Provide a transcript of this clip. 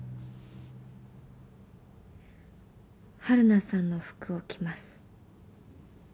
晴汝さんの服を着ます。